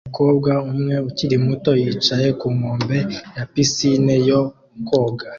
Umukobwa umwe ukiri muto yicaye ku nkombe ya pisine yo koga